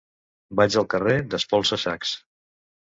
Vaig al carrer d'Espolsa-sacs.